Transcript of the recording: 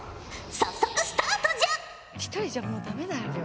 早速スタートじゃ！